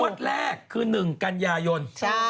วัดแรกคือ๑กัญญายน